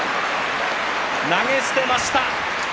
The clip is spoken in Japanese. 投げ捨てました。